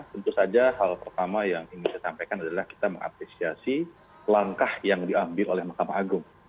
tentu saja hal pertama yang ingin saya sampaikan adalah kita mengapresiasi langkah yang diambil oleh mahkamah agung